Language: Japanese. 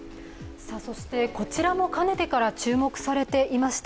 こちらもかねてから注目されていました。